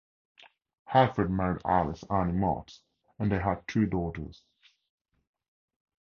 Alfred married Alice Annie Motts and they had three daughters.